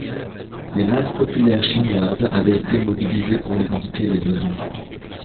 Les masses populaires chinoises avaient été mobilisées pour éradiquer les oiseaux.